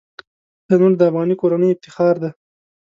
تنور د افغاني کورنۍ افتخار دی